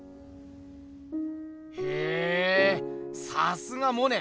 へぇさすがモネ。